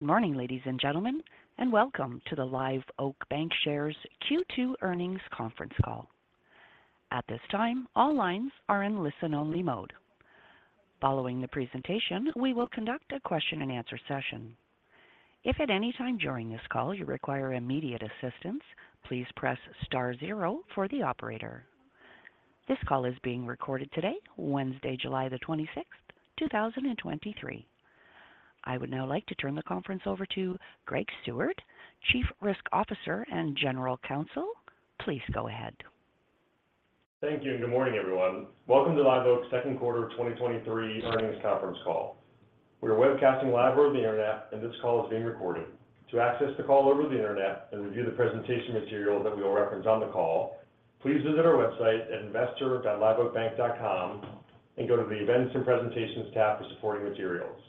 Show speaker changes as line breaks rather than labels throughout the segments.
Good morning, ladies and gentlemen, welcome to the Live Oak Bancshares Q2 earnings conference call. At this time, all lines are in listen-only mode. Following the presentation, we will conduct a question and answer session. If at any time during this call you require immediate assistance, please press star zero for the operator. This call is being recorded today, Wednesday, July the 26th, 2023. I would now like to turn the confe rence over to Greg Seward, Chief Risk Officer and General Counsel. Please go ahead.
Thank you, and good morning, everyone. Welcome to Live Oak Bancshares' second quarter 2023 earnings conference call. We are webcasting live over the internet, and this call is being recorded. To access the call over the internet and review the presentation material that we will reference on the call, please visit our website at investor.liveoakbank.com and go to the Events and Presentations tab for supporting materials.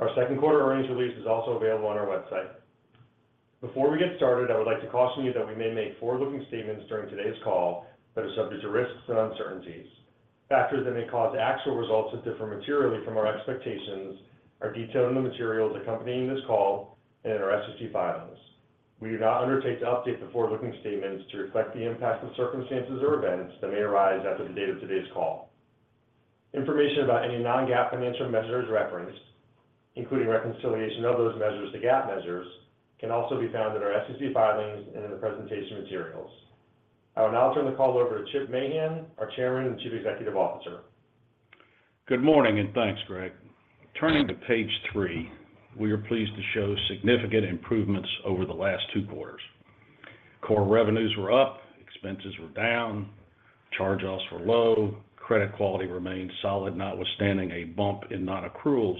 Our second quarter earnings release is also available on our website. Before we get started, I would like to caution you that we may make forward-looking statements during today's call that are subject to risks and uncertainties. Factors that may cause actual results to differ materially from our expectations are detailed in the materials accompanying this call and in our SEC filings. We do not undertake to update the forward-looking statements to reflect the impact of circumstances or events that may arise after the date of today's call. Information about any non-GAAP financial measures referenced, including reconciliation of those measures to GAAP measures, can also be found in our SEC filings and in the presentation materials. I will now turn the call over to Chip Mahan, our Chairman and Chief Executive Officer.
Good morning, and thanks, Greg. Turning to Page 3, we are pleased to show significant improvements over the last two quarters. Core revenues were up, expenses were down, charge-offs were low, credit quality remained solid, notwithstanding a bump in non-accruals,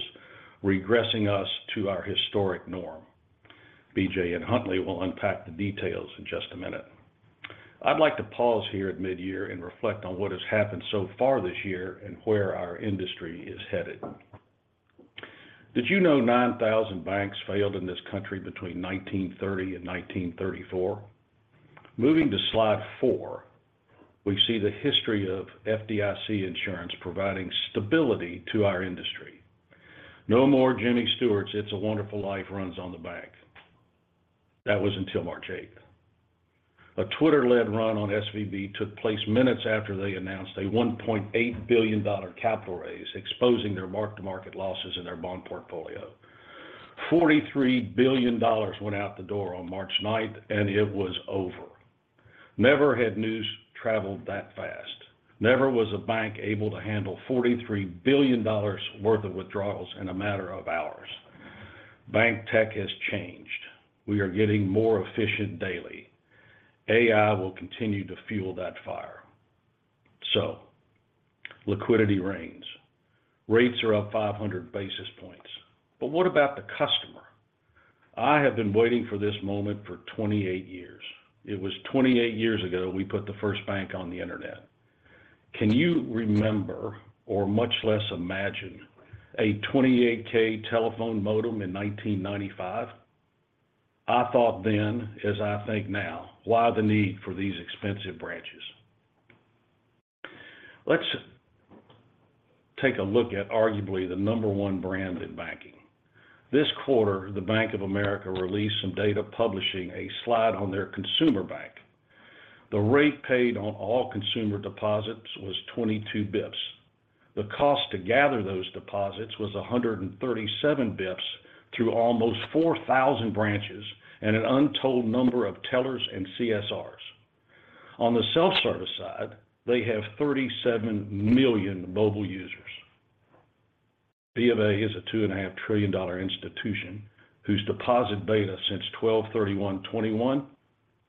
regressing us to our historic norm. BJ and Huntley will unpack the details in just a minute. I'd like to pause here at midyear and reflect on what has happened so far this year and where our industry is headed. Did you know 9,000 banks failed in this country between 1930 and 1934? Moving to Slide 4, we see the history of FDIC insurance providing stability to our industry. No more Jimmy Stewart's It's a Wonderful Life runs on the bank. That was until March 8. A Twitter-led run on SVB took place minutes after they announced a $1.8 billion capital raise, exposing their mark-to-market losses in their bond portfolio. $43 billion went out the door on March ninth. It was over. Never had news traveled that fast. Never was a bank able to handle $43 billion worth of withdrawals in a matter of hours. Bank tech has changed. We are getting more efficient daily. AI will continue to fuel that fire. Liquidity reigns. Rates are up 500 basis points. What about the customer? I have been waiting for this moment for 28 years. It was 28 years ago, we put the first bank on the internet. Can you remember, or much less imagine, a 28K telephone modem in 1995? I thought then, as I think now, why the need for these expensive branches? Let's take a look at arguably the number one brand in banking. This quarter, the Bank of America released some data publishing a slide on their consumer bank. The rate paid on all consumer deposits was 22 bips. The cost to gather those deposits was 137 bips through almost 4,000 branches and an untold number of tellers and CSRs. On the self-service side, they have 37 million mobile users. BofA is a $2.5 trillion dollar institution whose deposit beta since 12/31/2021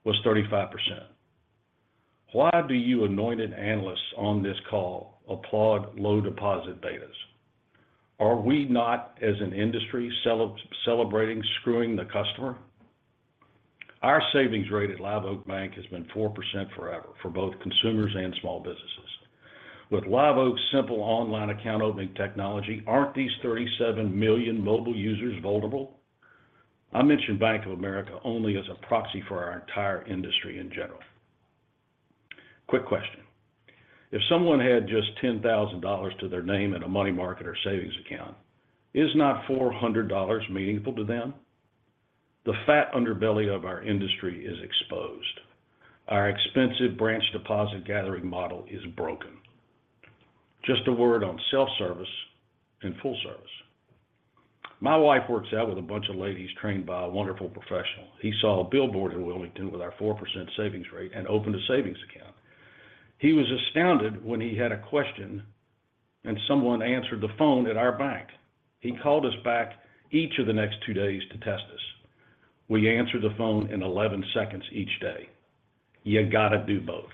was 35%. Why do you anointed analysts on this call applaud low deposit betas? Are we not, as an industry, celebrating screwing the customer? Our savings rate at Live Oak Bank has been 4% forever for both consumers and small businesses. With Live Oak's simple online account opening technology, aren't these 37 million mobile users vulnerable? I mention Bank of America only as a proxy for our entire industry in general. Quick question: If someone had just $10,000 to their name in a money market or savings account, is not $400 meaningful to them? The fat underbelly of our industry is exposed. Our expensive branch deposit gathering model is broken. Just a word on self-service and full service. My wife works out with a bunch of ladies trained by a wonderful professional. He saw a billboard in Wilmington with our 4% savings rate and opened a savings account. He was astounded when he had a question and someone answered the phone at our bank. He called us back each of the next two days to test us. We answered the phone in 11 seconds each day. You got to do both.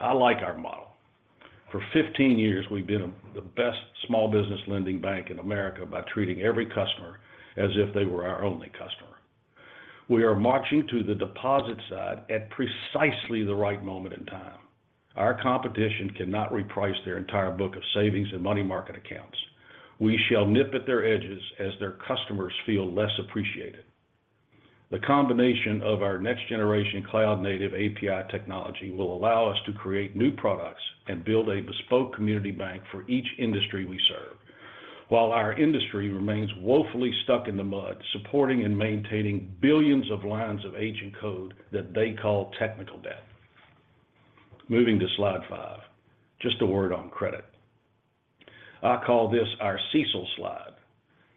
I like our model. For 15 years, we've been the best small business lending bank in America by treating every customer as if they were our only customer. We are marching to the deposit side at precisely the right moment in time. Our competition cannot reprice their entire book of savings and money market accounts. We shall nip at their edges as their customers feel less appreciated. The combination of our next generation cloud-native API technology will allow us to create new products and build a bespoke community bank for each industry we serve. While our industry remains woefully stuck in the mud, supporting and maintaining billions of lines of ancient code that they call technical debt. Moving to Slide 5, just a word on credit. I call this our CECL slide.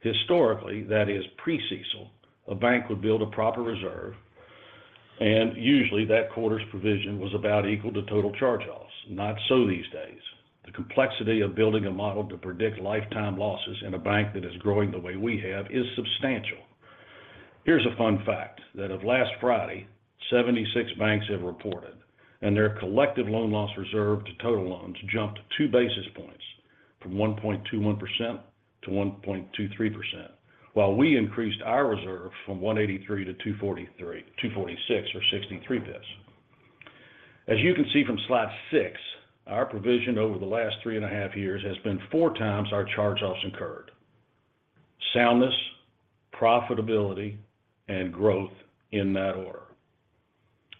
Historically, that is pre-CECL, a bank would build a proper reserve, and usually, that quarter's provision was about equal to total charge-offs. Not so these days. The complexity of building a model to predict lifetime losses in a bank that is growing the way we have, is substantial. Here's a fun fact, that of last Friday, 76 banks have reported, and their collective loan loss reserve to total loans jumped two basis points from 1.21%-1.23%, while we increased our reserve from 183-246, or 63 basis points. As you can see from Slide 6, our provision over the last three and a half years has been four times our charge-offs incurred. Soundness, profitability, and growth in that order.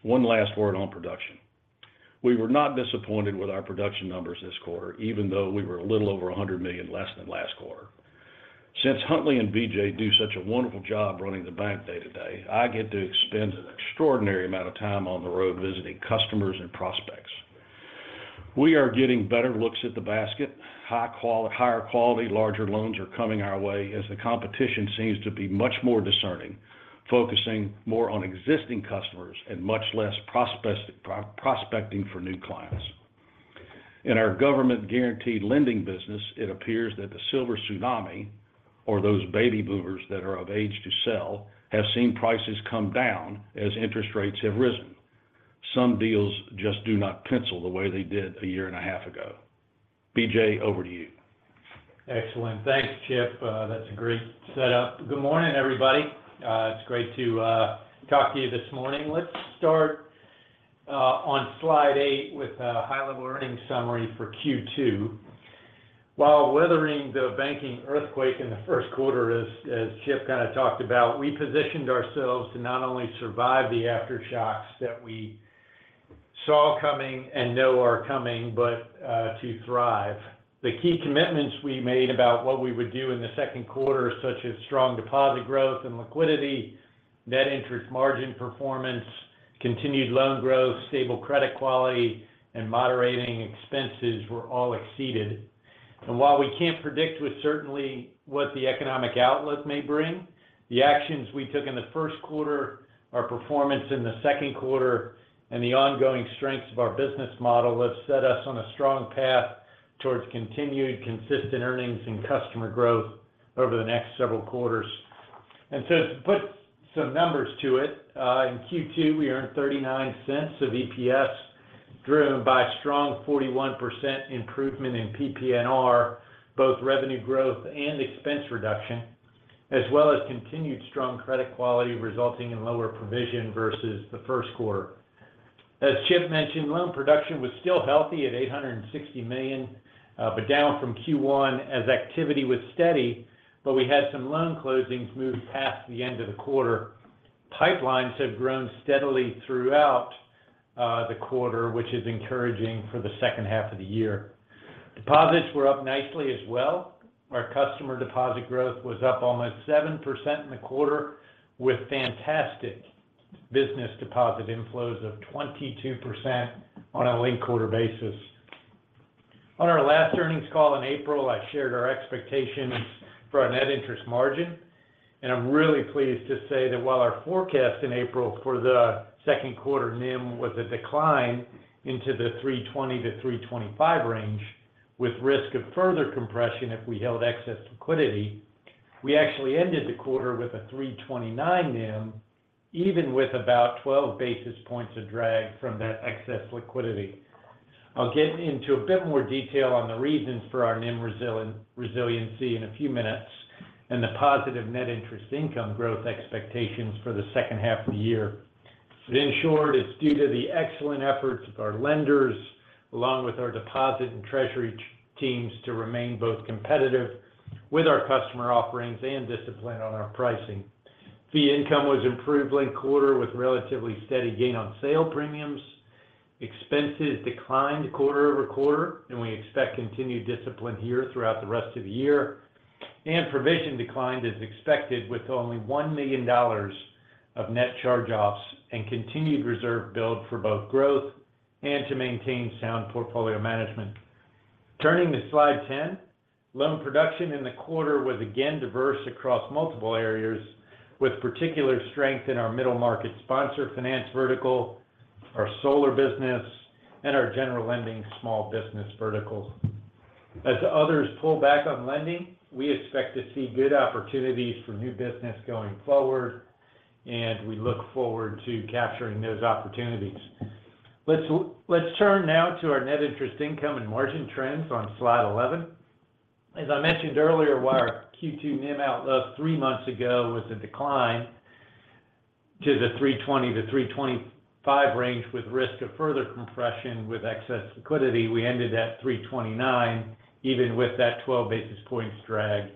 One last word on production. We were not disappointed with our production numbers this quarter, even though we were a little over $100 million less than last quarter. Since Huntley and BJ do such a wonderful job running the bank day-to-day, I get to spend an extraordinary amount of time on the road visiting customers and prospects. We are getting better looks at the basket, higher quality, larger loans are coming our way as the competition seems to be much more discerning, focusing more on existing customers and much less prospecting for new clients. In our government-guaranteed lending business, it appears that the silver tsunami, or those baby boomers that are of age to sell, have seen prices come down as interest rates have risen. Some deals just do not pencil the way they did a year and a half ago. BJ, over to you.
Excellent. Thanks, Chip, that's a great setup. Good morning, everybody. It's great to talk to you this morning. Let's start on Slide 8 with a high-level earnings summary for Q2. While weathering the banking earthquake in the first quarter, as Chip kind of talked about, we positioned ourselves to not only survive the aftershocks that we saw coming and know are coming, but to thrive. The key commitments we made about what we would do in the second quarter, such as strong deposit growth and liquidity, net interest margin performance, continued loan growth, stable credit quality, and moderating expenses, were all exceeded. While we can't predict with certainty what the economic outlook may bring, the actions we took in the first quarter, our performance in the second quarter, and the ongoing strengths of our business model, have set us on a strong path towards continued consistent earnings and customer growth over the next several quarters. To put some numbers to it, in Q2, we earned $0.39 of EPS, driven by a strong 41% improvement in PPNR, both revenue growth and expense reduction, as well as continued strong credit quality, resulting in lower provision versus the first quarter. As Chip mentioned, loan production was still healthy at $860 million, but down from Q1 as activity was steady, but we had some loan closings move past the end of the quarter. Pipelines have grown steadily throughout the quarter, which is encouraging for the second half of the year. Deposits were up nicely as well. Our customer deposit growth was up almost 7% in the quarter, with fantastic business deposit inflows of 22% on a linked-quarter basis. On our last earnings call in April, I shared our expectations for our net interest margin, and I'm really pleased to say that while our forecast in April for the second quarter NIM was a decline into the 3.20-3.25 range, with risk of further compression if we held excess liquidity, we actually ended the quarter with a 3.29 NIM, even with about 12 basis points of drag from that excess liquidity. I'll get into a bit more detail on the reasons for our NIM resiliency in a few minutes, and the positive net interest income growth expectations for the second half of the year. In short, it's due to the excellent efforts of our lenders, along with our deposit and treasury teams, to remain both competitive with our customer offerings and disciplined on our pricing. Fee income was improved linked quarter, with relatively steady gain on sale premiums. Expenses declined quarter-over-quarter, and we expect continued discipline here throughout the rest of the year. Provision declined as expected, with only $1 million of net charge-offs and continued reserve build for both growth and to maintain sound portfolio management. Turning to Slide 10, loan production in the quarter was again diverse across multiple areas, with particular strength in our middle market sponsor finance vertical, our solar business, and our general lending small business verticals. We expect to see good opportunities for new business going forward, and we look forward to capturing those opportunities. Let's turn now to our net interest income and margin trends on Slide 11. As I mentioned earlier, while our Q2 NIM outlook three months ago was a decline to the 320-325 range, with risk of further compression with excess liquidity, we ended at 329, even with that 12 basis points drag.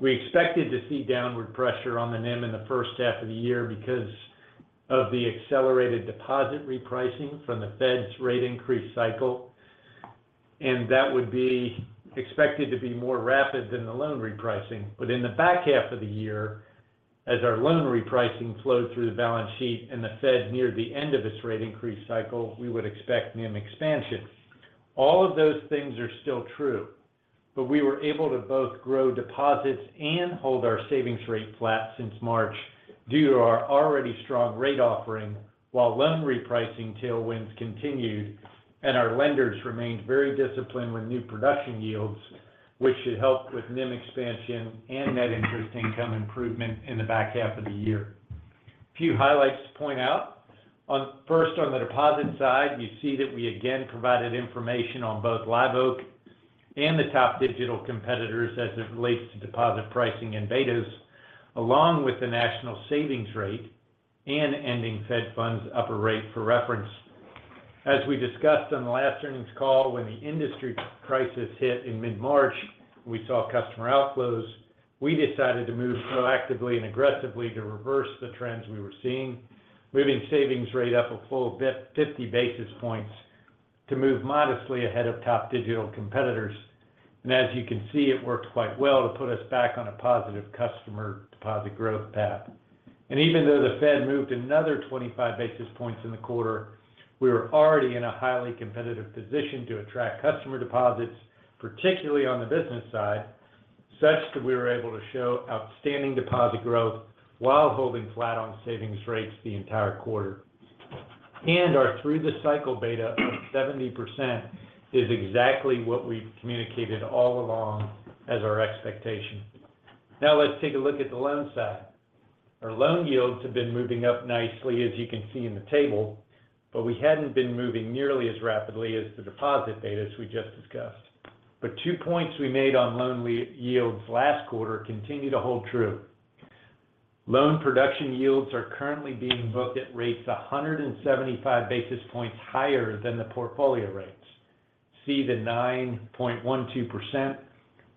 We expected to see downward pressure on the NIM in the first half of the year because. of the accelerated deposit repricing from the Fed's rate increase cycle, that would be expected to be more rapid than the loan repricing. In the back half of the year, as our loan repricing flowed through the balance sheet and the Fed neared the end of its rate increase cycle, we would expect NIM expansion. All of those things are still true, we were able to both grow deposits and hold our savings rate flat since March due to our already strong rate offering, while loan repricing tailwinds continued, and our lenders remained very disciplined with new production yields, which should help with NIM expansion and net interest income improvement in the back half of the year. A few highlights to point out. On, first, on the deposit side, you see that we again provided information on both Live Oak and the top digital competitors as it relates to deposit pricing and betas, along with the national savings rate and ending fed funds upper rate for reference. As we discussed on the last earnings call, when the industry crisis hit in mid-March, we saw customer outflows. We decided to move proactively and aggressively to reverse the trends we were seeing, moving savings rate up a full 50 basis points to move modestly ahead of top digital competitors. As you can see, it worked quite well to put us back on a positive customer deposit growth path. Even though the Fed moved another 25 basis points in the quarter, we were already in a highly competitive position to attract customer deposits, particularly on the business side, such that we were able to show outstanding deposit growth while holding flat on savings rates the entire quarter. Our through the cycle beta of 70% is exactly what we've communicated all along as our expectation. Now, let's take a look at the loan side. Our loan yields have been moving up nicely, as you can see in the table, but we hadn't been moving nearly as rapidly as the deposit betas we just discussed. Two points we made on loan yields last quarter continue to hold true. Loan production yields are currently being booked at rates 175 basis points higher than the portfolio rates. See the 9.12%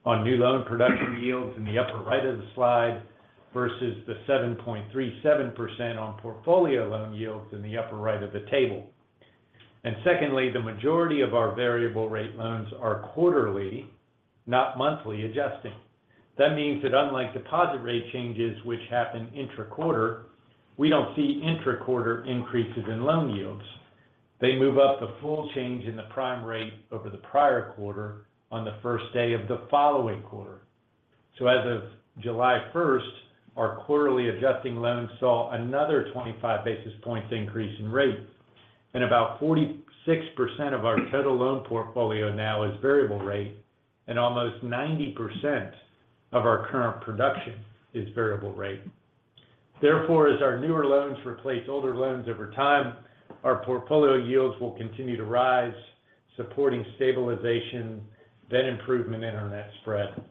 on new loan production yields in the upper right of the slide versus the 7.37% on portfolio loan yields in the upper right of the table. Secondly, the majority of our variable rate loans are quarterly, not monthly adjusting. That means that unlike deposit rate changes, which happen intra-quarter, we don't see intra-quarter increases in loan yields. They move up the full change in the prime rate over the prior quarter on the first day of the following quarter. As of July 1st, our quarterly adjusting loans saw another 25 basis points increase in rates, and about 46% of our total loan portfolio now is variable rate, and almost 90% of our current production is variable rate. Therefore, as our newer loans replace older loans over time, our portfolio yields will continue to rise, supporting stabilization, then improvement in our net spread.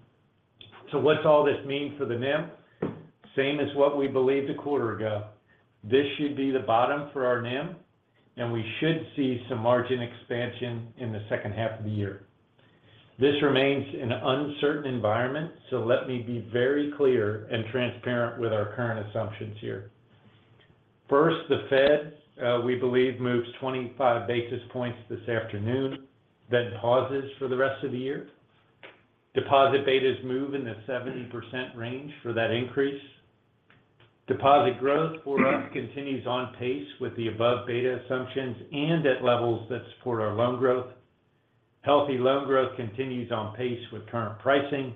What's all this mean for the NIM? Same as what we believed a quarter ago. This should be the bottom for our NIM, and we should see some margin expansion in the second half of the year. This remains an uncertain environment, so let me be very clear and transparent with our current assumptions here. First, the Fed, we believe, moves 25 basis points this afternoon, then pauses for the rest of the year. Deposit betas move in the 70% range for that increase. Deposit growth for us continues on pace with the above beta assumptions and at levels that support our loan growth. Healthy loan growth continues on pace with current pricing,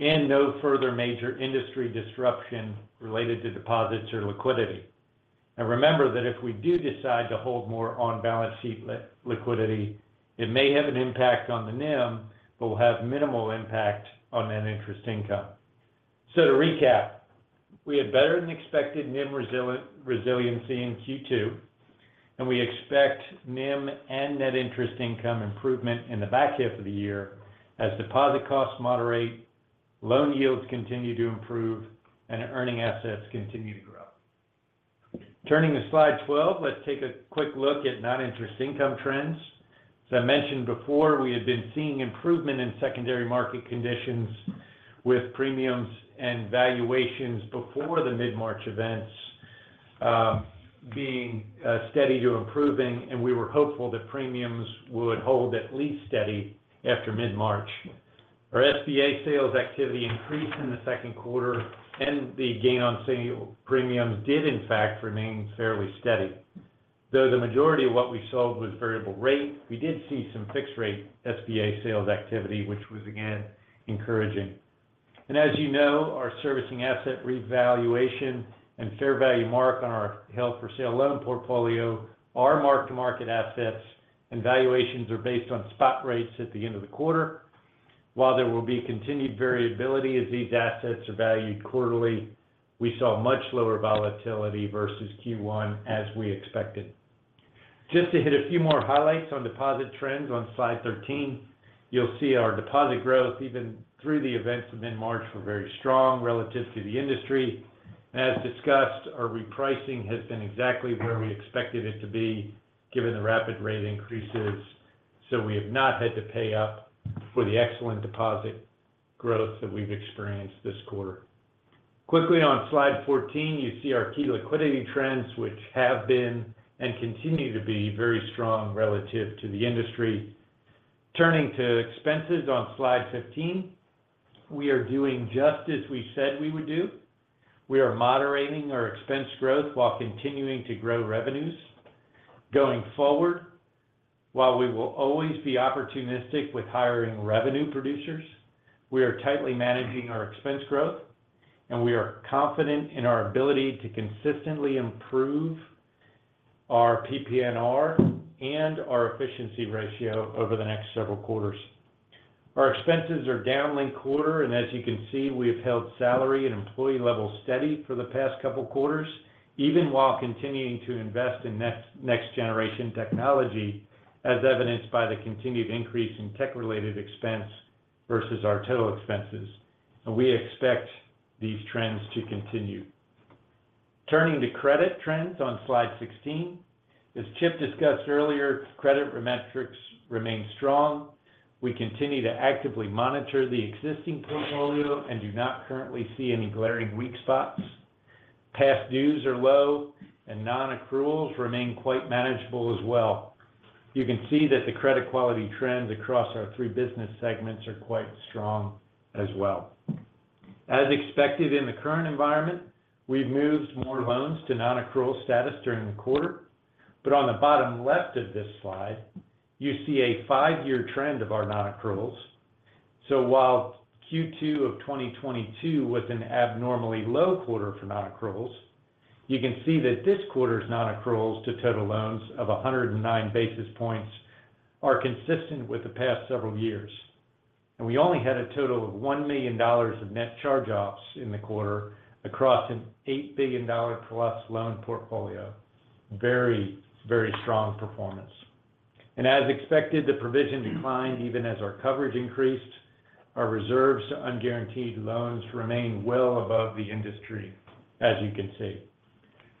no further major industry disruption related to deposits or liquidity. Remember that if we do decide to hold more on-balance sheet liquidity, it may have an impact on the NIM, but will have minimal impact on net interest income. To recap, we had better-than-expected NIM resiliency in Q2, and we expect NIM and net interest income improvement in the back half of the year as deposit costs moderate, loan yields continue to improve, and earning assets continue to grow. Turning to Slide 12, let's take a quick look at non-interest income trends. As I mentioned before, we had been seeing improvement in secondary market conditions with premiums and valuations before the mid-March events, being steady to improving, and we were hopeful that premiums would hold at least steady after mid-March. Our SBA sales activity increased in the second quarter. The gain on sale premiums did, in fact, remain fairly steady. Though the majority of what we sold was variable rate, we did see some fixed-rate SBA sales activity, which was again, encouraging. As you know, our servicing asset revaluation and fair value mark on our held-for-sale loan portfolio are mark-to-market assets, and valuations are based on spot rates at the end of the quarter. While there will be continued variability as these assets are valued quarterly, we saw much lower volatility versus Q1 as we expected. Just to hit a few more highlights on deposit trends on Slide 13, you'll see our deposit growth, even through the events of mid-March, were very strong relative to the industry. As discussed, our repricing has been exactly where we expected it to be, given the rapid rate increases, so we have not had to pay up for the excellent deposit growth that we've experienced this quarter. Quickly on Slide 14, you see our key liquidity trends, which have been and continue to be very strong relative to the industry. Turning to expenses on Slide 15, we are doing just as we said we would do. We are moderating our expense growth while continuing to grow revenues. Going forward, while we will always be opportunistic with hiring revenue producers, we are tightly managing our expense growth, and we are confident in our ability to consistently improve our PPNR and our efficiency ratio over the next several quarters. Our expenses are down link quarter, and as you can see, we have held salary and employee levels steady for the past couple quarters, even while continuing to invest in next generation technology, as evidenced by the continued increase in tech-related expense versus our total expenses. We expect these trends to continue. Turning to credit trends on Slide 16. As Chip discussed earlier, credit metrics remain strong. We continue to actively monitor the existing portfolio and do not currently see any glaring weak spots. Past dues are low, and nonaccruals remain quite manageable as well. You can see that the credit quality trends across our three business segments are quite strong as well. As expected in the current environment, we've moved more loans to nonaccrual status during the quarter. On the bottom left of this slide, you see a five year trend of our nonaccruals. While Q2 of 2022 was an abnormally low quarter for nonaccruals, you can see that this quarter's nonaccruals to total loans of 109 basis points are consistent with the past several years. We only had a total of $1 million of net charge-offs in the quarter across an $8 billion plus loan portfolio. Very, very strong performance. As expected, the provision declined even as our coverage increased. Our reserves on guaranteed loans remain well above the industry, as you can see.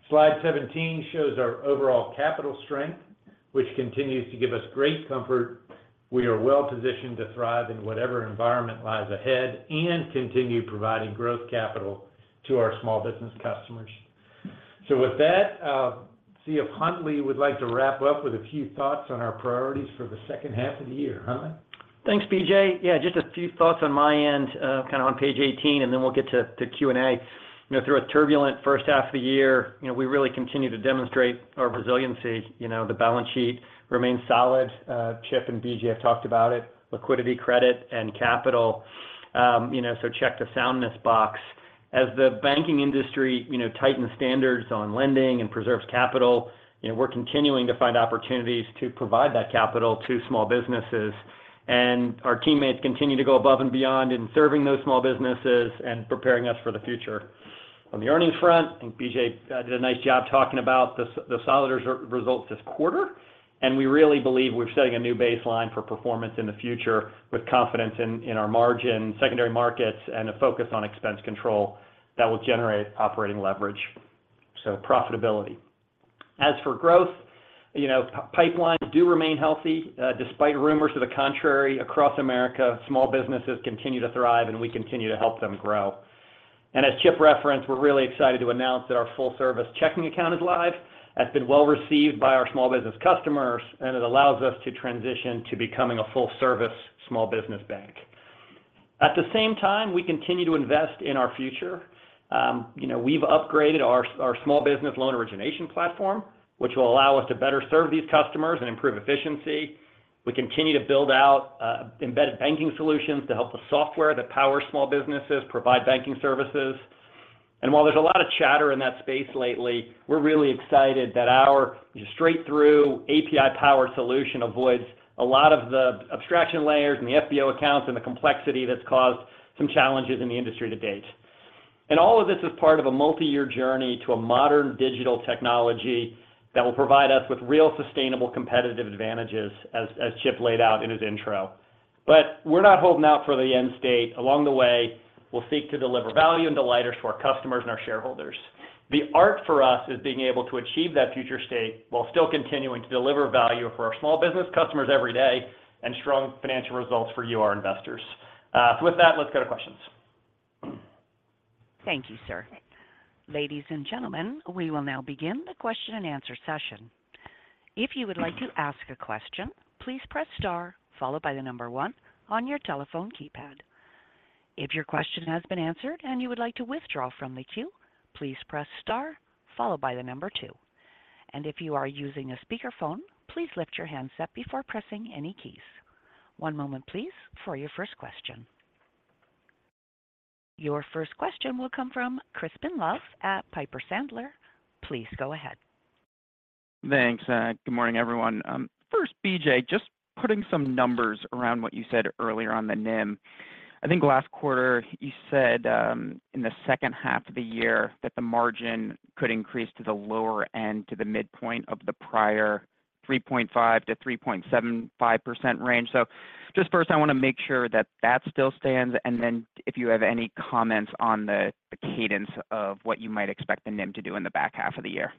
Slide 17 shows our overall capital strength, which continues to give us great comfort. We are well positioned to thrive in whatever environment lies ahead and continue providing growth capital to our small business customers. With that, see if Huntley would like to wrap up with a few thoughts on our priorities for the second half of the year. Huntley?
Thanks, BJ. Yeah, just a few thoughts on my end, kind of on Page 18, and then we'll get to Q&A. You know, through a turbulent first half of the year, you know, we really continue to demonstrate our resiliency. You know, the balance sheet remains solid. Chip and BJ have talked about it, liquidity, credit, and capital. You know, check the soundness box. As the banking industry, you know, tightens standards on lending and preserves capital, you know, we're continuing to find opportunities to provide that capital to small businesses. Our teammates continue to go above and beyond in serving those small businesses and preparing us for the future. On the earnings front, I think BJ did a nice job talking about the solid results this quarter, and we really believe we're setting a new baseline for performance in the future with confidence in our margin, secondary markets, and a focus on expense control that will generate operating leverage, so profitability. As for growth, you know, pipelines do remain healthy. Despite rumors to the contrary, across America, small businesses continue to thrive, and we continue to help them grow. And as Chip referenced, we're really excited to announce that our full service checking account is live. That's been well received by our small business customers, and it allows us to transition to becoming a full service small business bank. At the same time, we continue to invest in our future. You know, we've upgraded our small business loan origination platform, which will allow us to better serve these customers and improve efficiency. We continue to build out embedded banking solutions to help the software that power small businesses provide banking services. While there's a lot of chatter in that space lately, we're really excited that our straight-through, API-powered solution avoids a lot of the abstraction layers, and the FBO accounts, and the complexity that's caused some challenges in the industry to date. All of this is part of a multi-year journey to a modern digital technology that will provide us with real, sustainable competitive advantages, as Chip laid out in his intro. We're not holding out for the end state. Along the way, we'll seek to deliver value and delighters to our customers and our shareholders. The art for us is being able to achieve that future state while still continuing to deliver value for our small business customers every day, and strong financial results for you, our investors. With that, let's go to questions.
Thank you, sir. Ladies and gentlemen, we will now begin the question and answer session. If you would like to ask a question, please press star, followed by the number one on your telephone keypad. If your question has been answered and you would like to withdraw from the queue, please press star followed by the number two. If you are using a speakerphone, please lift your handset before pressing any keys. One moment, please, for your first question. Your first question will come from Crispin Love at Piper Sandler. Please go ahead.
Thanks. Good morning, everyone. First, BJ, just putting some numbers around what you said earlier on the NIM. I think last quarter, you said, in the second half of the year, that the margin could increase to the lower end, to the midpoint of the prior 3.5%-3.75% range. Just first, I want to make sure that that still stands, and then if you have any comments on the cadence of what you might expect the NIM to do in the back half of the year?...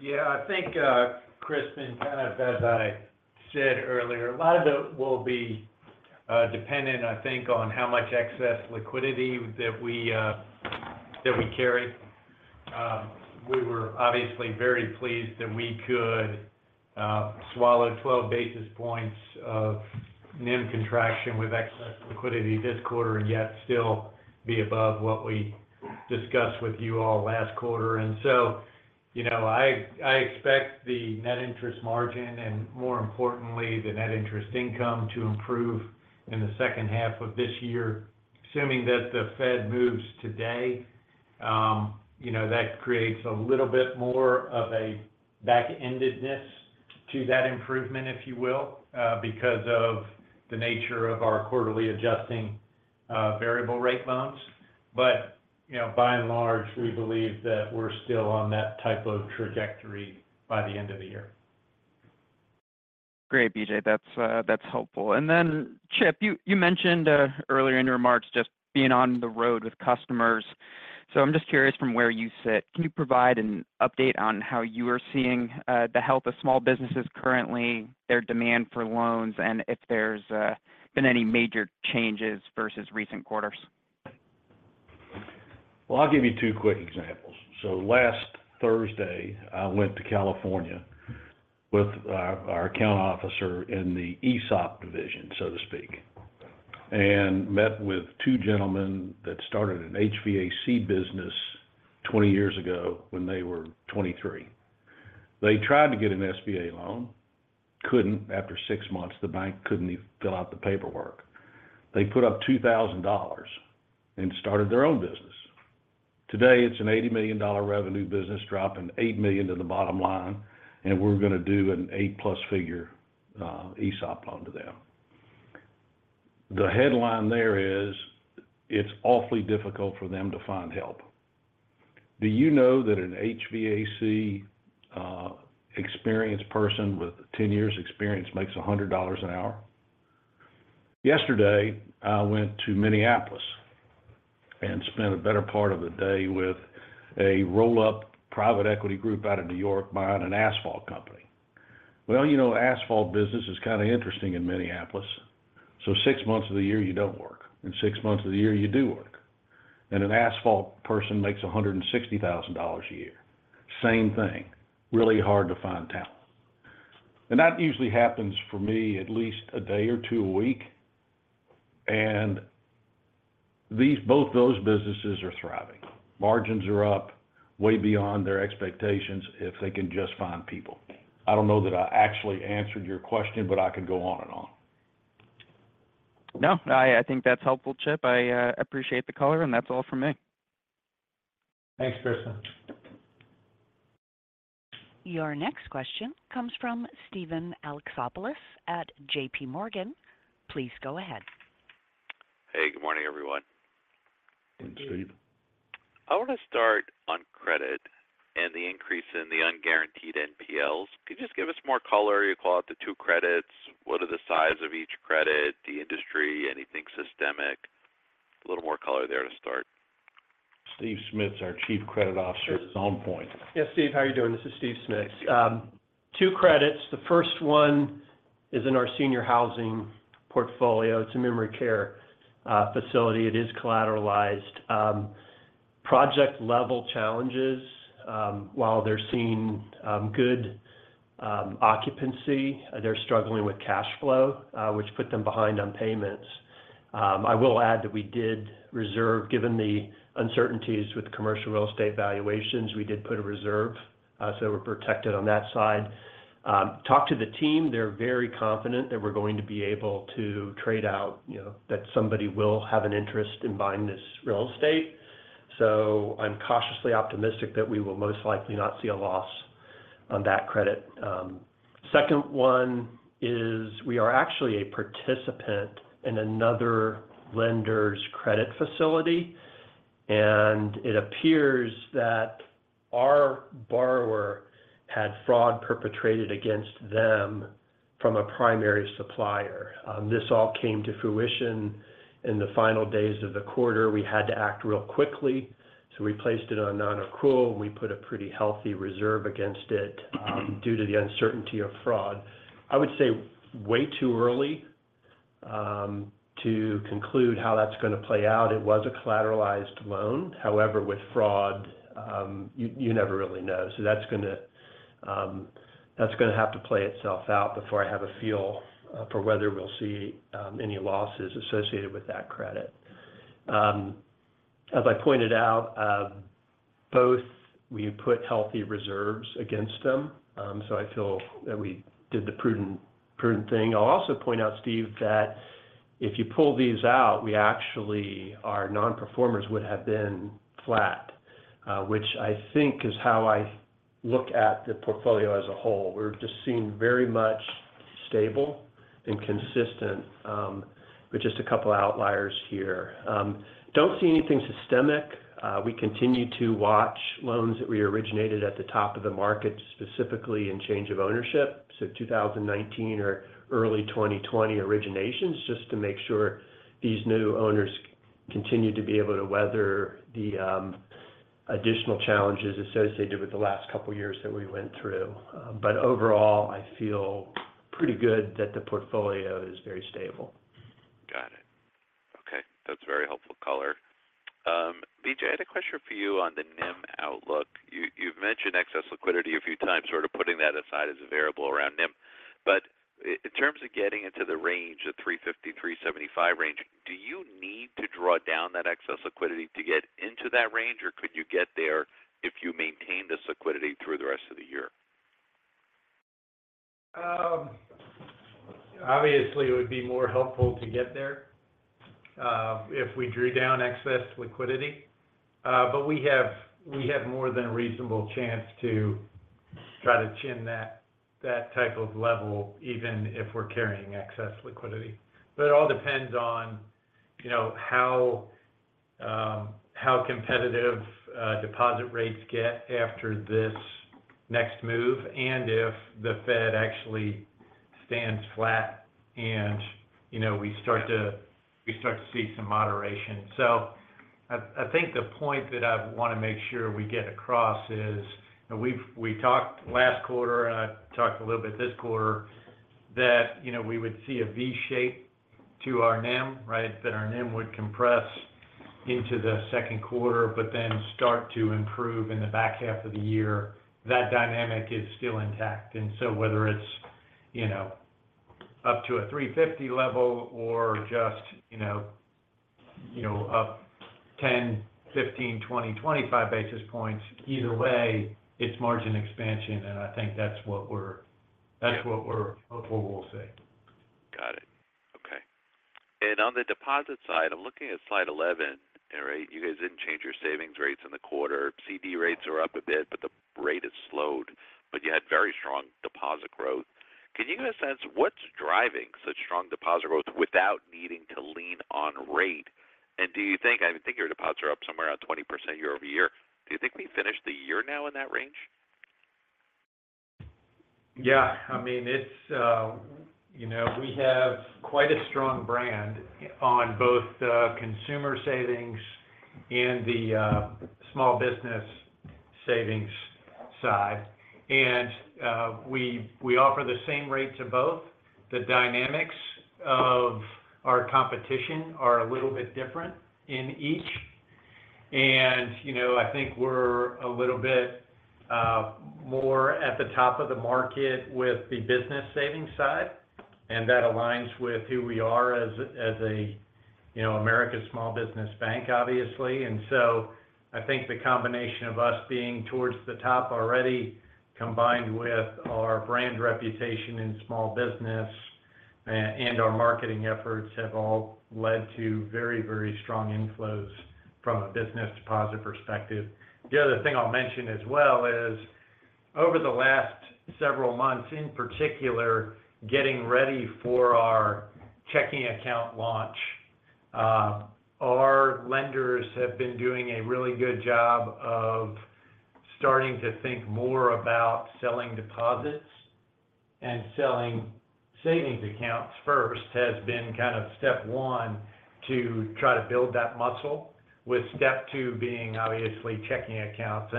Yeah, I think, Crispin, and kind of as I said earlier, a lot of that will be dependent, I think, on how much excess liquidity that we, that we carry. We were obviously very pleased that we could swallow 12 basis points of NIM contraction with excess liquidity this quarter, and yet still be above what we discussed with you all last quarter. You know, I expect the net interest margin, and more importantly, the net interest income, to improve in the second half of this year. Assuming that the Fed moves today, you know, that creates a little bit more of a back-endedness to that improvement, if you will, because of the nature of our quarterly adjusting, variable rate loans. You know, by and large, we believe that we're still on that type of trajectory by the end of the year.
Great, BJ. That's helpful. Then, Chip, you mentioned earlier in your remarks, just being on the road with customers. I'm just curious from where you sit, can you provide an update on how you are seeing the health of small businesses currently, their demand for loans, and if there's been any major changes versus recent quarters?
I'll give you two quick examples. Last Thursday, I went to California with our account officer in the ESOP division, so to speak, and met with two gentlemen that started an HVAC business 20 years ago when they were 23. They tried to get an SBA loan, couldn't. After six months, the bank couldn't even fill out the paperwork. They put up $2,000 and started their own business. Today, it's an $80 million revenue business, dropping $8 million to the bottom line, and we're going to do an eight plus figure ESOP loan to them. The headline there is, it's awfully difficult for them to find help. Do you know that an HVAC experienced person with 10 years experience makes $100 an hour? Yesterday, I went to Minneapolis and spent a better part of the day with a roll-up private equity group out of New York, buying an asphalt company. You know, asphalt business is kind of interesting in Minneapolis. Six months of the year, you don't work, and six months of the year, you do work. An asphalt person makes $160,000 a year. Same thing, really hard to find talent. That usually happens for me at least a day or two a week, both those businesses are thriving. Margins are up way beyond their expectations, if they can just find people. I don't know that I actually answered your question, but I could go on and on.
No, I think that's helpful, Chip. I appreciate the color, that's all from me.
Thanks, Crispin.
Your next question comes from Steven Alexopoulos at JPMorgan. Please go ahead.
Hey, good morning, everyone.
Hey, Steve.
I want to start on credit and the increase in the unguaranteed NPLs. Could you just give us more color? You call out the two credits. What are the size of each credit, the industry, anything systemic? A little more color there to start.
Steve Smits is our Chief Credit Officer, is on point.
Yes, Steve, how are you doing? This is Steve Smits. Two credits. The first one is in our senior housing portfolio. It's a memory care facility. It is collateralized. Project-level challenges, while they're seeing good occupancy, they're struggling with cash flow, which put them behind on payments. I will add that we did reserve, given the uncertainties with commercial real estate valuations, we did put a reserve, so we're protected on that side. Talked to the team, they're very confident that we're going to be able to trade out, you know, that somebody will have an interest in buying this real estate. I'm cautiously optimistic that we will most likely not see a loss on that credit. Second one is we are actually a participant in another lender's credit facility, and it appears that our borrower had fraud perpetrated against them from a primary supplier. This all came to fruition in the final days of the quarter. We had to act real quickly. We placed it on nonaccrual. We put a pretty healthy reserve against it due to the uncertainty of fraud. I would say way too early to conclude how that's going to play out. It was a collateralized loan. However, with fraud, you never really know. That's gonna have to play itself out before I have a feel for whether we'll see any losses associated with that credit. As I pointed out, we put healthy reserves against them. I feel that we did the prudent thing. I'll also point out, Steve, that if you pull these out, our nonperformers would have been flat, which I think is how I look at the portfolio as a whole. We're just seeing very much stable and consistent, with just a couple of outliers here. Don't see anything systemic. We continue to watch loans that we originated at the top of the market, specifically in change of ownership, so 2019 or early 2020 originations, just to make sure these new owners-
continue to be able to weather the additional challenges associated with the last couple of years that we went through. Overall, I feel pretty good that the portfolio is very stable.
Got it. Okay, that's a very helpful color. BJ, I had a question for you on the NIM outlook. You've mentioned excess liquidity a few times, sort of putting that aside as a variable around NIM. In terms of getting into the 3.50%-3.75% range, do you need to draw down that excess liquidity to get into that range? Or could you get there if you maintain this liquidity through the rest of the year?
Obviously, it would be more helpful to get there if we drew down excess liquidity. We have more than a reasonable chance to try to chin that type of level, even if we're carrying excess liquidity. It all depends on, you know, how competitive deposit rates get after this next move, and if the Fed actually stands flat and, you know, we start to see some moderation. I think the point that I want to make sure we get across is, and we talked last quarter, and I've talked a little bit this quarter, that, you know, we would see a V shape to our NIM, right? That our NIM would compress into the second quarter, but then start to improve in the back half of the year. That dynamic is still intact, whether it's, you know, up to a 350 level or just, you know, up 10, 15, 20, 25 basis points, either way, it's margin expansion, and I think that's what.
Yeah
That's what we're, what we'll see.
Got it. Okay. On the deposit side, I'm looking at Slide 11, and, right, you guys didn't change your savings rates in the quarter. CD rates are up a bit, but the rate has slowed, but you had very strong deposit growth. Can you give a sense, what's driving such strong deposit growth without needing to lean on rate? Do you think I think your deposits are up somewhere around 20% year-over-year. Do you think we finish the year now in that range?
Yeah. I mean, it's, you know, we have quite a strong brand on both the consumer savings and the small business savings side. We offer the same rate to both. The dynamics of our competition are a little bit different in each. You know, I think we're a little bit more at the top of the market with the business savings side, and that aligns with who we are as a, you know, America's small business bank, obviously. So, I think the combination of us being towards the top already, combined with our brand reputation in small business, and our marketing efforts, have all led to very, very strong inflows from a business deposit perspective. The other thing I'll mention as well is, over the last several months, in particular, getting ready for our checking account launch, our lenders have been doing a really good job of starting to think more about selling deposits. Selling savings accounts first has been kind of step one to try to build that muscle, with step two being, obviously, checking accounts.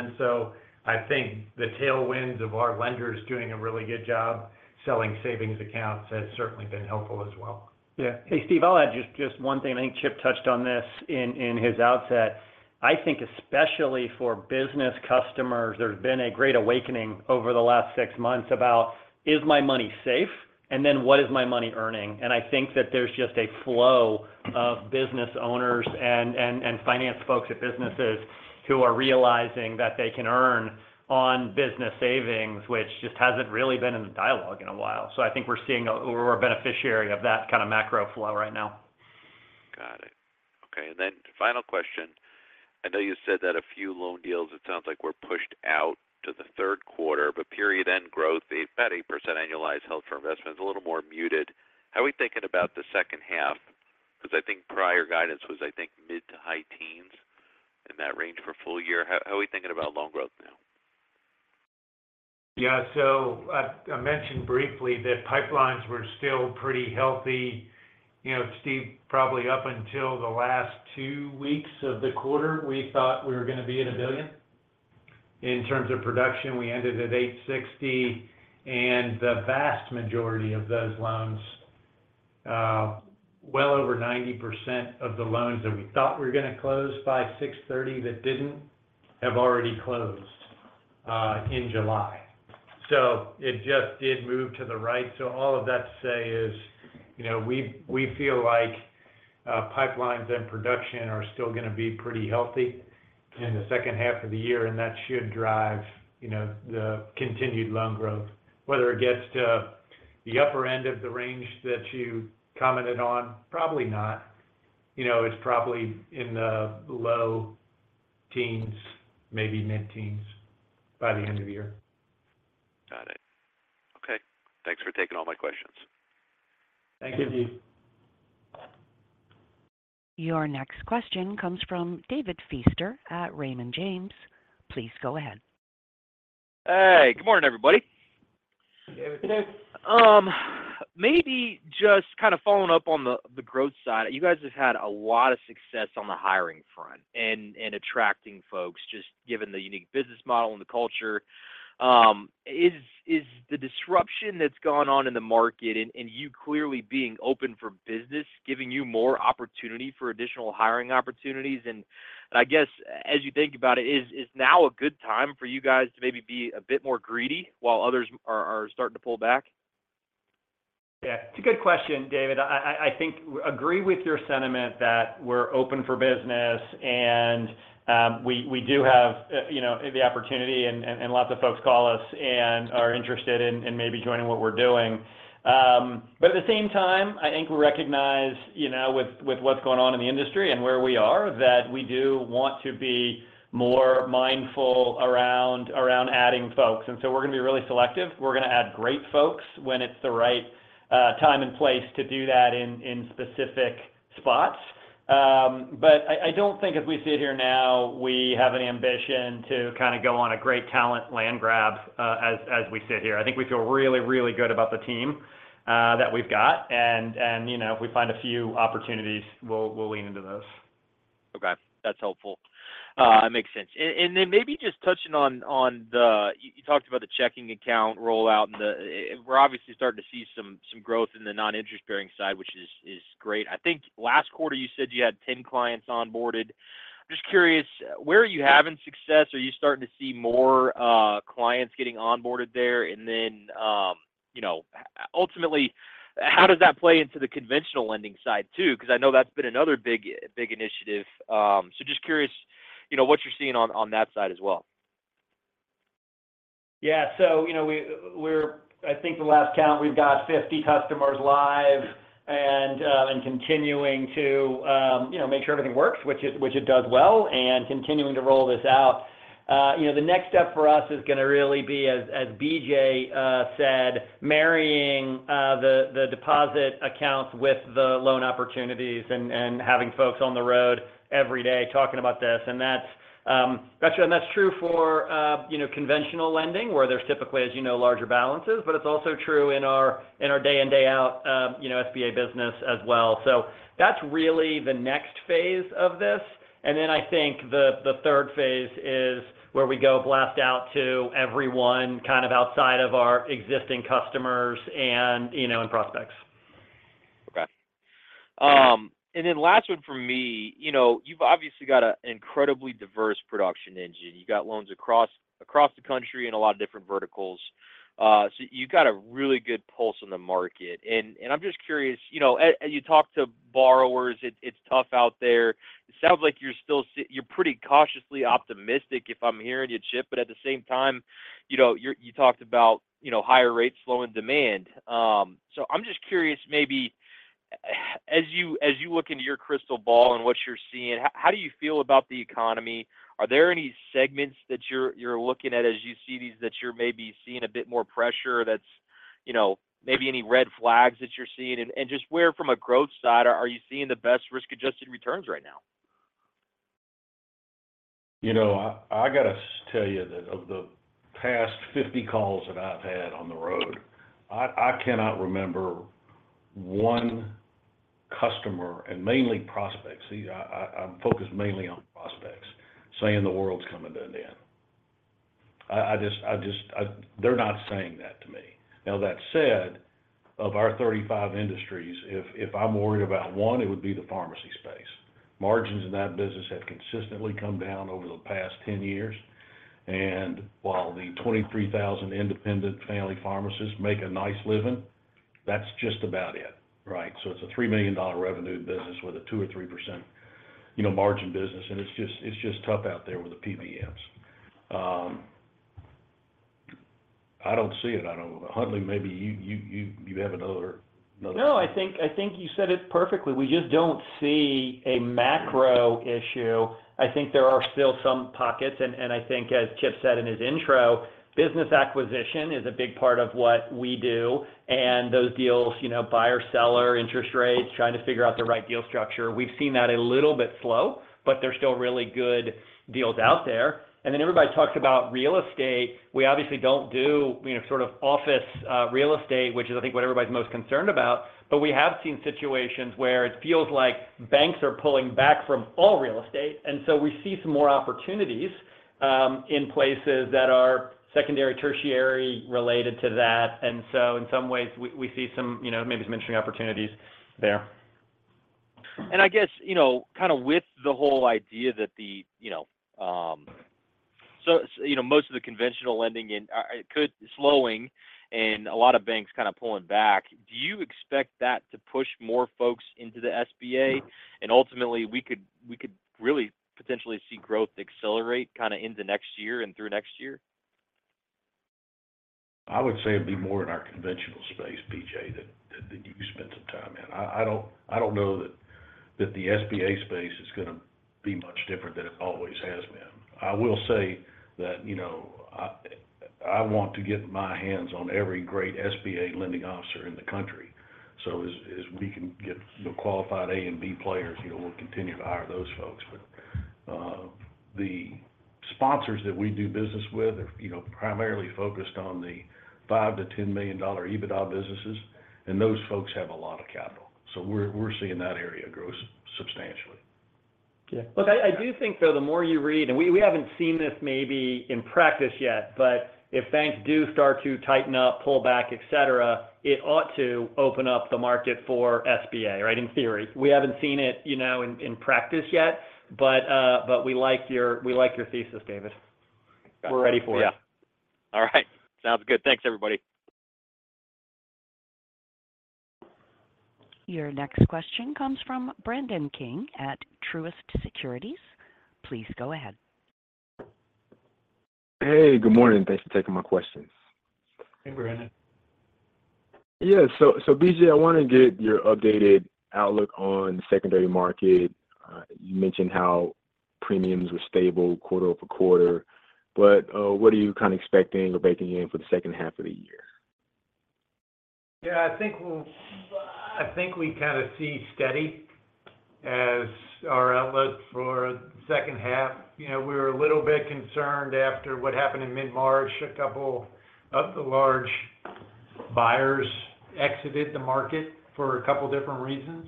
I think the tailwinds of our lenders doing a really good job selling savings accounts has certainly been helpful as well.
Yeah. Hey, Steve, I'll add just one thing. I think Chip touched on this in his outset. I think especially for business customers, there's been a great awakening over the last six months about: Is my money safe? What is my money earning? I think that there's just a flow of business owners and finance folks at businesses who are realizing that they can earn on business savings, which just hasn't really been in the dialogue in a while. I think we're seeing we're a beneficiary of that kind of macro flow right now.
Got it. Okay, final question. I know you said that a few loan deals, it sounds like, were pushed out to the third quarter, but period-end growth, the about 8% annualized held for investment is a little more muted. How are we thinking about the second half? I think prior guidance was, I think, mid to high teens in that range for full year. How are we thinking about loan growth now?
Yeah. I mentioned briefly that pipelines were still pretty healthy. You know, Steve, probably up until the last Two weeks of the quarter, we thought we were going to be at $1 billion. In terms of production, we ended at $860 million, the vast majority of those loans, well over 90% of the loans that we thought were going to close by 6/30 that didn't, have already closed in July. It just did move to the right. All of that to say is, you know, we feel like pipelines and production are still going to be pretty healthy in the second half of the year, and that should drive, you know, the continued loan growth. Whether it gets to the upper end of the range that you commented on, probably not. You know, it's probably in the low teens, maybe mid-teens, by the end of the year.
Got it. Okay. Thanks for taking all my questions.
Thank you.
Thank you.
Your next question comes from David Feaster at Raymond James. Please go ahead.
Hey, good morning, everybody.
Hey, David.
Maybe just kind of following up on the growth side. You guys have had a lot of success on the hiring front and attracting folks, just given the unique business model and the culture. Is the disruption that's gone on in the market, and you clearly being open for business, giving you more opportunity for additional hiring opportunities? I guess, as you think about it, is now a good time for you guys to maybe be a bit more greedy while others are starting to pull back?
Yeah, it's a good question, David. I think agree with your sentiment that we're open for business, and we do have, you know, the opportunity and lots of folks call us and are interested in maybe joining what we're doing. At the same time, I think we recognize, you know, with what's going on in the industry and where we are, that we do want to be more mindful around adding folks. We're going to be really selective. We're going to add great folks when it's the right time and place to do that in specific spots. I don't think as we sit here now, we have an ambition to kind of go on a great talent land grab as we sit here. I think we feel really, really good about the team, that we've got, and, you know, if we find a few opportunities, we'll lean into those.
Okay. That's helpful. It makes sense. Then maybe just touching on, you talked about the checking account rollout and the... We're obviously starting to see some growth in the non-interest bearing side, which is great. I think last quarter, you said you had 10 clients onboarded. Just curious, where are you having success? Are you starting to see more clients getting onboarded there? Then, you know, ultimately, how does that play into the conventional lending side, too? Because I know that's been another big initiative. Just curious, you know, what you're seeing on that side as well.
Yeah. You know, I think the last count, we've got 50 customers live and continuing to, you know, make sure everything works, which it does well, and continuing to roll this out. You know, the next step for us is going to really be, as BJ said, marrying the deposit accounts with the loan opportunities and having folks on the road every day talking about this. That's, actually, and that's true for, you know, conventional lending, where there's typically, as you know, larger balances, but it's also true in our day in, day out, you know, SBA business as well. That's really the next phase of this. I think the third phase is where we go blast out to everyone kind of outside of our existing customers and, you know, and prospects.
Okay. Then last one from me. You know, you've obviously got a incredibly diverse production engine. You got loans across the country in a lot of different verticals. You've got a really good pulse on the market. I'm just curious, you know, as you talk to borrowers, it's tough out there. It sounds like you're pretty cautiously optimistic, if I'm hearing you, Chip. At the same time, you know, you talked about, you know, higher rates, slowing demand. I'm just curious, maybe as you look into your crystal ball and what you're seeing, how do you feel about the economy? Are there any segments that you're looking at as you see these, that you're maybe seeing a bit more pressure that's, you know, maybe any red flags that you're seeing? Just where from a growth side, are you seeing the best risk-adjusted returns right now?
You know, I got to tell you that of the past 50 calls that I've had on the road, I cannot remember one customer, and mainly prospects, I'm focused mainly on prospects, saying the world's coming to an end. They're not saying that to me. That said, of our 35 industries, if I'm worried about one, it would be the pharmacy space. Margins in that business have consistently come down over the past 10 years, while the 23,000 independent family pharmacists make a nice living, that's just about it, right? It's a $3 million revenue business with a 2% or 3%, you know, margin business, it's just tough out there with the PBMs. I don't see it. Huntley, maybe you have another.
I think you said it perfectly. We just don't see a macro issue. I think there are still some pockets, and I think as Chip said in his intro, business acquisition is a big part of what we do, and those deals, you know, buyer-seller, interest rates, trying to figure out the right deal structure. We've seen that a little bit slow, but there are still really good deals out there. Then everybody talks about real estate. We obviously don't do, you know, sort of office real estate, which is, I think, what everybody's most concerned about. We have seen situations where it feels like banks are pulling back from all real estate, and so we see some more opportunities in places that are secondary, tertiary, related to that. In some ways, we see some, you know, maybe some interesting opportunities there.
I guess, you know, kind of with the whole idea that the, you know, So you know, most of the conventional lending in slowing and a lot of banks kind of pulling back, do you expect that to push more folks into the SBA?
Mm-hmm.
Ultimately, we could really potentially see growth accelerate kind of into next year and through next year?
I would say it'd be more in our conventional space, BJ, that you spent some time in. I don't know that the SBA space is going to be much different than it always has been. I will say that, you know, I want to get my hands on every great SBA lending officer in the country. As we can get the qualified A and B players, you know, we'll continue to hire those folks....
sponsors that we do business with are, you know, primarily focused on the $5 million-$10 million EBITDA businesses. Those folks have a lot of capital. We're seeing that area grow substantially.
Yeah. Look, I do think, though, the more you read, we haven't seen this maybe in practice yet, but if banks do start to tighten up, pull back, et cetera, it ought to open up the market for SBA, right? In theory. We haven't seen it, you know, in practice yet, but we like your thesis, David. We're ready for it.
All right. Sounds good. Thanks, everybody.
Your next question comes from Brandon King at Truist Securities. Please go ahead.
Hey, good morning. Thanks for taking my questions.
Hey, Brandon.
Yeah. BJ, I wanna get your updated outlook on the secondary market. You mentioned how premiums were stable quarter-over-quarter, but, what are you kind of expecting or baking in for the second half of the year?
Yeah, I think we kind of see steady as our outlook for the second half. You know, we're a little bit concerned after what happened in mid-March. A couple of the large buyers exited the market for a couple different reasons.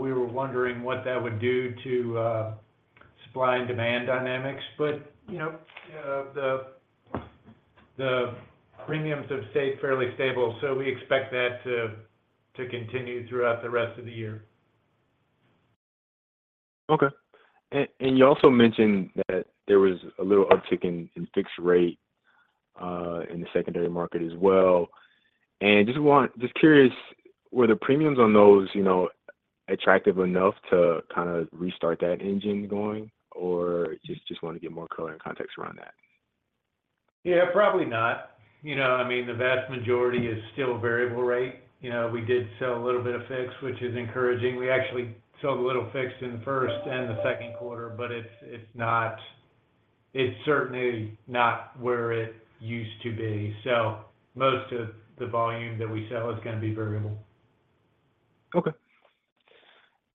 We were wondering what that would do to supply and demand dynamics. You know, the premiums have stayed fairly stable, so we expect that to continue throughout the rest of the year.
Okay. You also mentioned that there was a little uptick in fixed rate in the secondary market as well. Just curious, were the premiums on those, you know, attractive enough to kind of restart that engine going? Or just wanna get more color and context around that?
Yeah, probably not. You know, I mean, the vast majority is still variable rate. You know, we did sell a little bit of fixed, which is encouraging. We actually sold a little fixed in the first and the second quarter. It's certainly not where it used to be. Most of the volume that we sell is gonna be variable.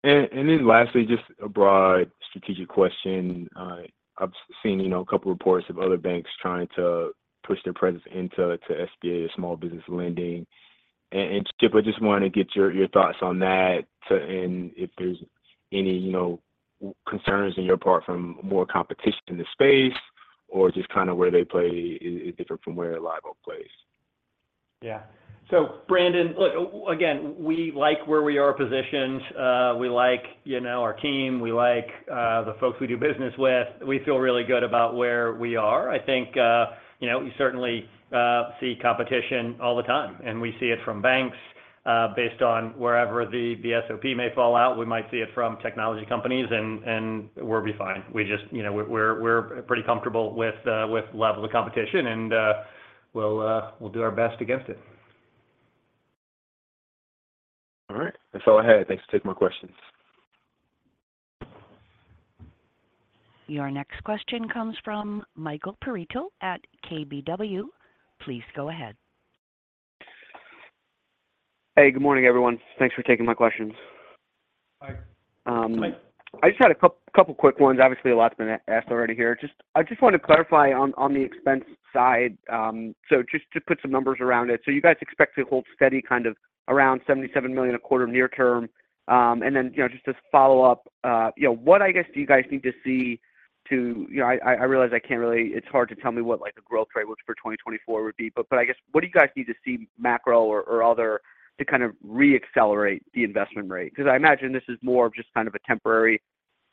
Okay. Lastly, just a broad strategic question. I've seen, you know, a couple reports of other banks trying to push their presence into, to SBA or small business lending. Chip, I just wanted to get your thoughts on that, and if there's any, you know, concerns on your part from more competition in the space, or just kind of where they play is different from where Live Oak plays.
Yeah. Brandon, look, again, we like where we are positioned. We like, you know, our team, we like the folks we do business with. We feel really good about where we are. I think, you know, we certainly see competition all the time, and we see it from banks. Based on wherever the SOP may fall out, we might see it from technology companies, and we'll be fine. You know, we're pretty comfortable with levels of competition, and we'll do our best against it.
All right. That's all I had. Thanks for taking my questions.
Your next question comes from Michael Perito at KBW. Please go ahead.
Hey, good morning, everyone. Thanks for taking my questions.
Hi. Mike.
I just had a couple quick ones. Obviously, a lot's been asked already here. I just want to clarify on the expense side, just to put some numbers around it. You guys expect to hold steady, kind of around $77 million a quarter near term. You know, just to follow up, you know, what, I guess, do you guys need to see to, you know, I realize I can't really, it's hard to tell me what, like, a growth rate looks for 2024 would be. I guess, what do you guys need to see macro or other, to kind of re-accelerate the investment rate? Because I imagine this is more of just kind of a temporary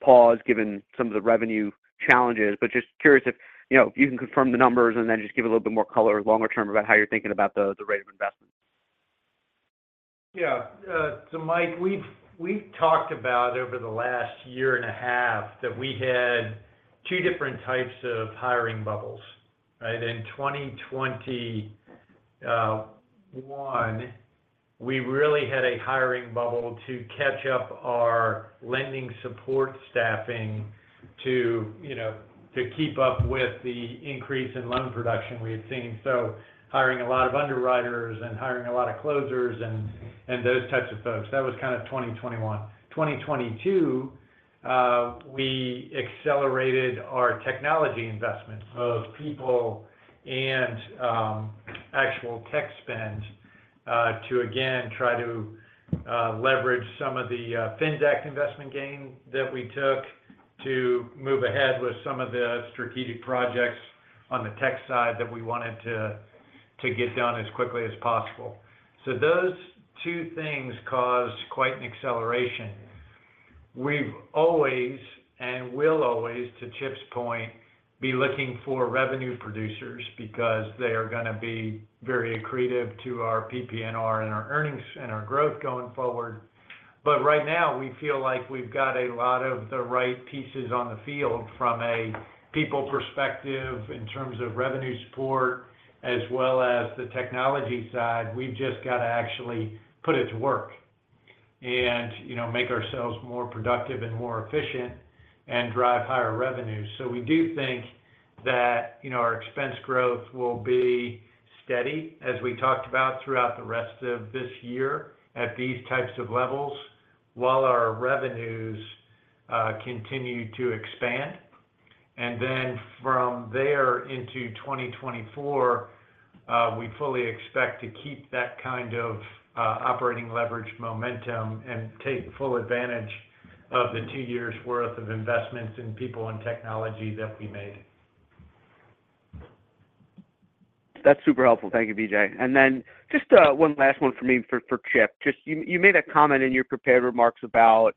pause, given some of the revenue challenges. Just curious if, you know, you can confirm the numbers and then just give a little bit more color longer term about how you're thinking about the rate of investment?
Yeah. Mike, we've talked about over the last year and a half, that we had two different types of hiring bubbles, right? In 2021, we really had a hiring bubble to catch up our lending support staffing to, you know, to keep up with the increase in loan production we had seen. Hiring a lot of underwriters and hiring a lot of closers and those types of folks. That was kind of 2021. 2022, we accelerated our technology investments of people and actual tech spend, to, again, try to leverage some of the fintech investment gain that we took to move ahead with some of the strategic projects on the tech side that we wanted to get done as quickly as possible. Those two things caused quite an acceleration. We've always, and will always, to Chip's point, be looking for revenue producers because they are gonna be very accretive to our PPNR, and our earnings, and our growth going forward. Right now, we feel like we've got a lot of the right pieces on the field from a people perspective, in terms of revenue support, as well as the technology side. We've just got to actually put it to work and, you know, make ourselves more productive and more efficient, and drive higher revenues. We do think that, you know, our expense growth will be steady, as we talked about throughout the rest of this year, at these types of levels, while our revenues continue to expand. From there into 2024, we fully expect to keep that kind of operating leverage momentum and take full advantage of the two years' worth of investments in people and technology that we made.
That's super helpful. Thank you, BJ. Just one last one for me for Chip. Just you made a comment in your prepared remarks about,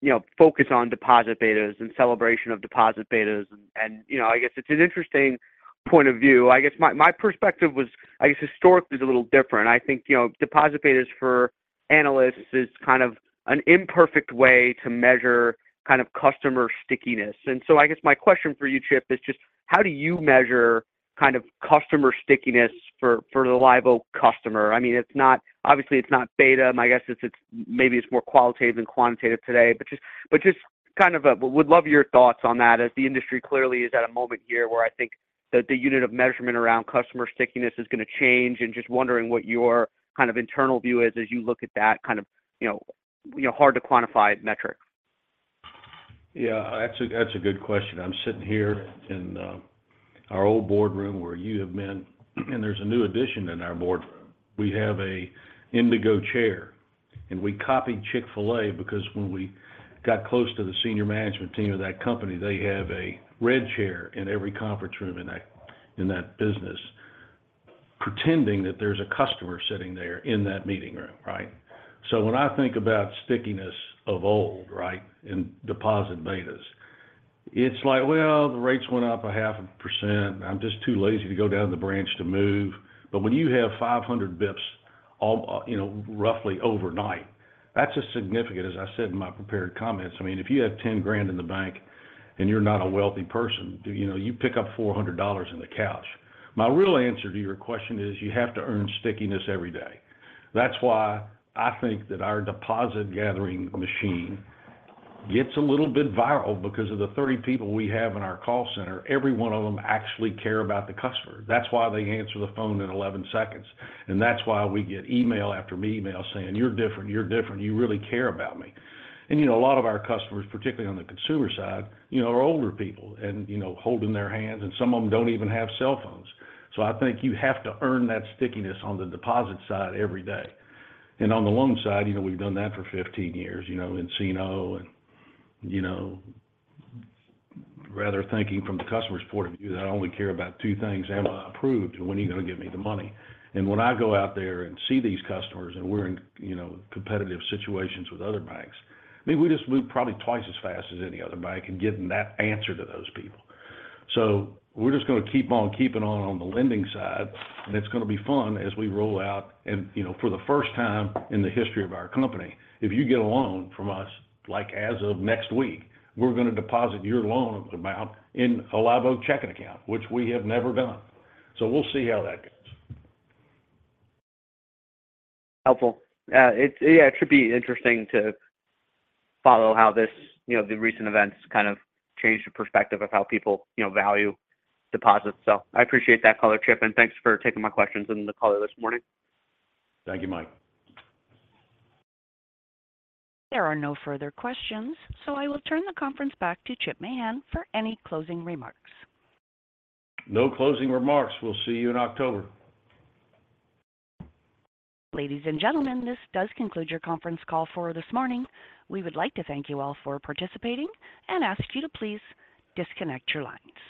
you know, focus on deposit betas and celebration of deposit betas. You know, I guess it's an interesting point of view. I guess my perspective was, I guess historically is a little different. I think, you know, deposit betas for analysts is kind of an imperfect way to measure kind of customer stickiness. I guess my question for you, Chip, is just how do you measure kind of customer stickiness for the Live Oak customer? I mean, obviously, it's not beta. My guess is it's maybe it's more qualitative than quantitative today. Just kind of, would love your thoughts on that, as the industry clearly is at a moment here where I think that the unit of measurement around customer stickiness is gonna change. Just wondering what your kind of internal view is as you look at that kind of, you know, hard to quantify metric.
Yeah, that's a good question. I'm sitting here in our old boardroom, where you have been, and there's a new addition in our boardroom. We have a indigo chair, and we copied Chick-fil-A because when we got close to the senior management team of that company, they have a red chair in every conference room in that business, pretending that there's a customer sitting there in that meeting room, right? When I think about stickiness of old, right, and deposit betas, it's like, well, the rates went up 0.5%. I'm just too lazy to go down to the branch to move. When you have 500 bips all, you know, roughly overnight, that's as significant as I said in my prepared comments. I mean, if you have $10,000 in the bank, and you're not a wealthy person, do... You know, you pick up $400 on the couch. My real answer to your question is, you have to earn stickiness every day. That's why I think that our deposit-gathering machine gets a little bit viral because of the 30 people we have in our call center, every one of them actually care about the customer. That's why they answer the phone in 11 seconds, that's why we get email after email saying, "You're different. You're different. You really care about me." You know, a lot of our customers, particularly on the consumer side, you know, are older people and, you know, holding their hands, and some of them don't even have cell phones. I think you have to earn that stickiness on the deposit side every day. On the loan side, you know, we've done that for 15 years, you know, in C&I. You know, rather thinking from the customer's point of view, that I only care about two things: Am I approved, and when are you gonna give me the money? When I go out there and see these customers, and we're in, you know, competitive situations with other banks, I mean, we just move probably twice as fast as any other bank in getting that answer to those people. We're just gonna keep on keeping on the lending side, and it's gonna be fun as we roll out. You know, for the first time in the history of our company, if you get a loan from us, like, as of next week, we're gonna deposit your loan amount in a Live Oak checking account, which we have never done. We'll see how that goes.
Helpful. yeah, it should be interesting to follow how this, you know, the recent events kind of changed the perspective of how people, you know, value deposits. I appreciate that color, Chip, and thanks for taking my questions in the call this morning.
Thank you, Mike.
There are no further questions, so I will turn the conference back to Chip Mahan for any closing remarks.
No closing remarks. We'll see you in October.
Ladies and gentlemen, this does conclude your conference call for this morning. We would like to thank you all for participating and ask you to please disconnect your lines.